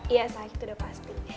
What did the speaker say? iya saat itu udah pasti